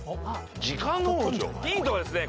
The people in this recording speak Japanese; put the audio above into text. ヒントはですね